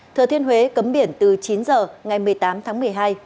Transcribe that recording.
thừa thiên huế cấm biển từ chín giờ ngày một mươi tám tháng một mươi hai